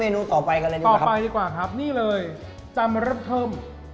อ๋อเมนูต่อไปกันเลยต่อไปก่อนครับนี่เลยจำรับทิ่ม